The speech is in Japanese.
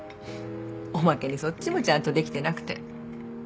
おまけにそっちもちゃんとできてなくて。